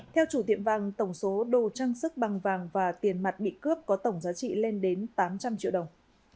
theo chủ tiệm vàng tổng số đồ trang sức bằng vàng và tiền mặt bị cướp có tổng giá trị lên đến tám trăm linh triệu đồng